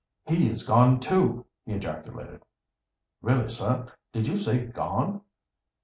"He is gone too!" he ejaculated. "Really, sir, did you say 'gone'?"